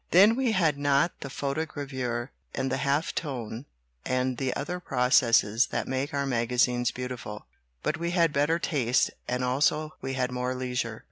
Then we had not the photogravure and the half tone and the other processes that make our maga zines beautiful. But we had better taste and also we had more leisure.